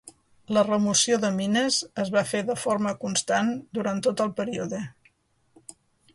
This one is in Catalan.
La remoció de mines es va fer de forma constant durant tot el període.